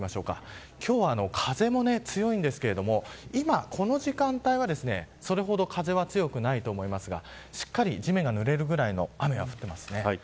今日は風も強いんですがこの時間帯はそれほど風は強くないと思いますがしっかり地面が濡れるぐらいの雨が降っています。